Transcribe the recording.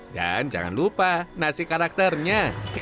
dan jangan lupa nasi karakternya